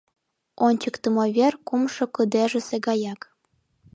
Ончыктымо вер кумшо кыдежысе гаяк.